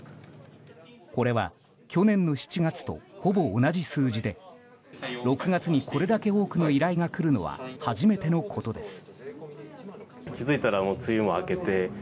これは去年の７月とほぼ同じ数字で６月にこれだけ多くの依頼が来るのは初めてのことです。